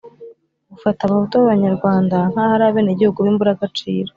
ufata abahutu b'abanyarwanda nk'aho ari abenegihugu b'imburagaciro